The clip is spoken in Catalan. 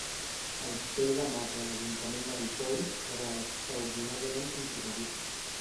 El ple de març de l'Ajuntament de Ripoll serà extraordinàriament concorregut.